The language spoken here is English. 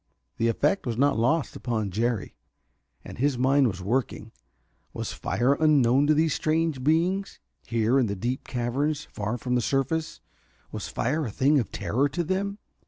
The effect was not lost upon Jerry. And his mind was working. Was fire unknown to these strange beings? Here in the deep caverns, far from the surface, was fire a thing of terror to them?